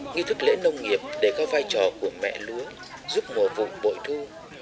nghi thức lễ nông nghiệp để có vai trò của mẹ lúa giúp mùa vụ bội thu